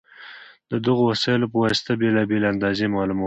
د دغو وسایلو په واسطه بېلابېلې اندازې معلومولی شو.